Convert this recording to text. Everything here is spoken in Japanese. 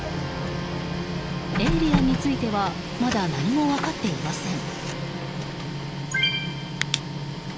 エイリアンについてはまだ何も分かっていません。